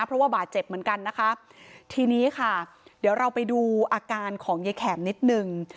เพราะว่าบาดเจ็บเหมือนกันนะคะทีนี้ค่ะเดี๋ยวเราไปดูอาการของยายแข็มนิดนึง